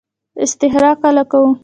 استخاره کله کوو؟